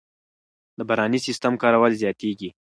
د باراني سیستم کارول زیاتېږي.